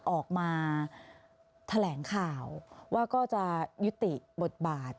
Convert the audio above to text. ออกมาแถลงข่าวว่าก็จะยุติบทบาท